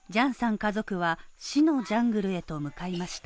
家族は、死のジャングルへと向かいました。